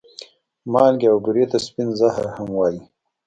مالګې او بورې ته سپين زهر هم وايې